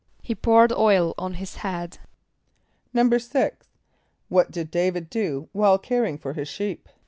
=He poured oil on his head.= =6.= What did D[=a]´vid do while caring for his sheep?